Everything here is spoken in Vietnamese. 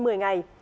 trên một mươi ngày